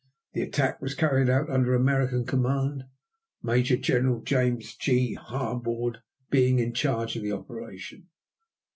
The attack was carried out under American command, Major General James G. Harbord being in charge of the operation.